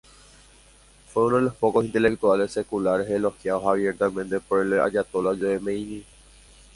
Fue uno de los pocos intelectuales seculares elogiados abiertamente por el ayatolá Jomeini.